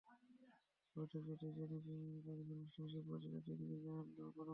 বৈঠক শেষে জিনপিং নিজের ঘনিষ্ঠ হিসেবে পরিচিত তিনজন জেনারেলের পদোন্নতি দেন।